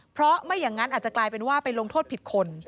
เพราะไม่อย่างนั้นอาจจะกลายเป็นว่าไปลงโทษผิดคน